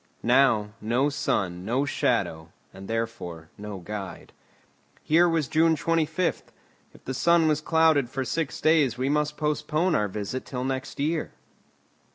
Now, no sun no shadow, and therefore no guide. Here was June 25. If the sun was clouded for six days we must postpone our visit till next year.